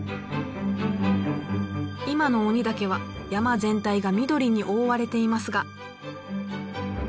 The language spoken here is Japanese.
今の鬼岳は山全体が緑に覆われていますが。